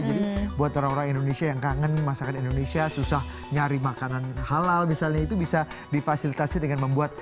jadi buat orang orang indonesia yang kangen masakan indonesia susah nyari makanan halal misalnya itu bisa difasilitasi dengan membuat